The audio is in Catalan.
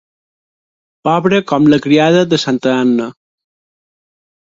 Pobre com la criada de santa Anna.